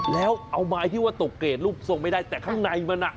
แล้วเอาไม้ที่ว่าตกเกรดรูปทรงไม่ได้แต่ข้างในมันอ่ะ